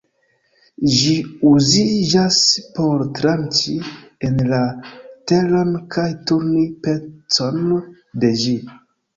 Ĝi uziĝas por tranĉi en la teron kaj turni pecon de ĝi.